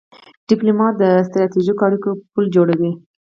ډيپلومات د ستراتیژیکو اړیکو پل جوړوي.